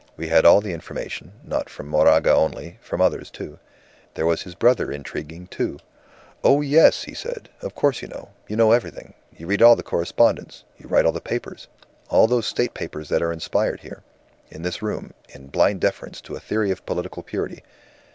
We had all the information, not from Moraga only; from others, too. There was his brother intriguing, too." "Oh, yes!" he said. "Of course you know. You know everything. You read all the correspondence, you write all the papers all those State papers that are inspired here, in this room, in blind deference to a theory of political purity.